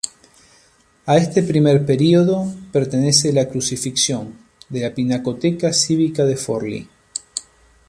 A este primer periodo pertenece la "Crucifixión" de la Pinacoteca Cívica de Forli.